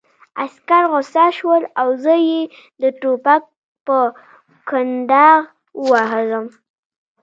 عسکر غوسه شول او زه یې د ټوپک په کونداغ ووهلم